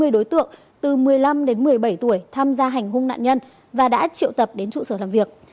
hai mươi đối tượng từ một mươi năm đến một mươi bảy tuổi tham gia hành hung nạn nhân và đã triệu tập đến trụ sở làm việc